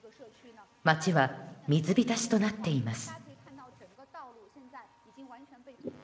街は水浸しとなっています。